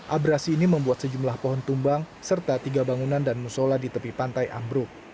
abrasi ini membuat sejumlah pohon tumbang serta tiga bangunan dan musola di tepi pantai ambruk